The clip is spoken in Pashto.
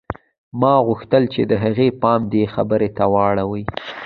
ما غوښتل چې د هغې پام دې خبرې ته واوړي